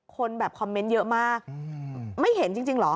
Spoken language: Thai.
คนแบบคอมเมนต์เยอะมากไม่เห็นจริงเหรอ